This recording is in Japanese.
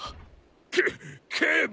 ・け警部！